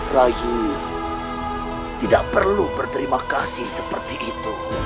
rayu tidak perlu berterima kasih seperti itu